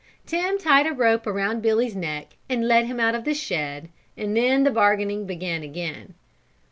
Tim tied a rope around Billy's neck and led him out of the shed and then the bargaining began again.